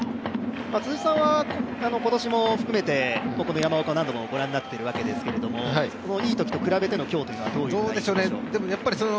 辻さんは今年も含めて、山岡を何度も御覧になっているわけですがいいときと比べての今日というのはどうなんでしょうか？